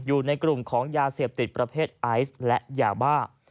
อยู่ในกลุ่มของยาเสพติดประเภทไอซ์และยาบ้า